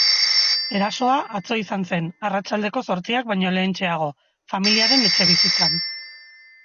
Erasoa atzo izan zen, arratsaldeko zortziak baino lehentxeago, familiaren etxebizitzan.